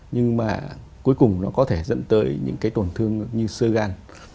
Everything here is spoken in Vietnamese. nhưng mà cuối cùng nó có thể dẫn tới những cái tổn thương như sơ gan